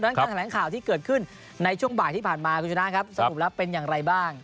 การแถลงข่าวที่เกิดขึ้นในช่วงบ่ายที่ผ่านมาคุณชนะครับสรุปแล้วเป็นอย่างไรบ้าง